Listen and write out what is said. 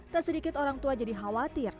tak sedikit orang tua jadi khawatir